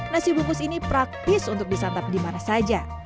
nasi bungkus ini praktis untuk disantap di mana saja